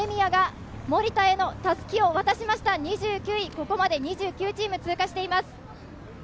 ここまで２９チーム通過しています。